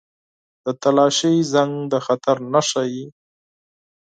• د تالاشۍ زنګ د خطر نښه وي.